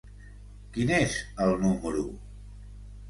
Quin és el número?